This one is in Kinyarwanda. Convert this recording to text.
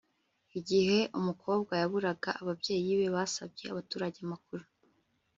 igihe umukobwa yaburaga, ababyeyi be basabye abaturage amakuru